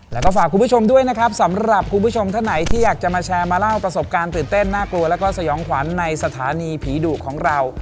แล้วก็ฝากคุณผู้ชมด้วยนะครับสำหรับคุณผู้ชมท่านไหนที่อยากจะมาแชร์มาเล่าประสบการณ์ตื่นเต้นน่ากลัวแล้วก็สยองขวัญในสถานีผีดุของเรา